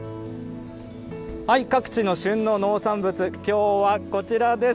各地の旬の農産物、きょうはこちらです。